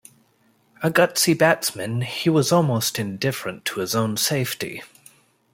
A gutsy batsman he was almost indifferent to his own safety.